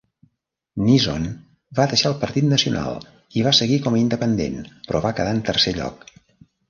Neeson va deixar el Partit Nacional i va seguir com a independent, però va quedar en tercer lloc.